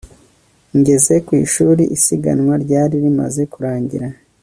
Ngeze ku ishuri isiganwa ryari rimaze kurangira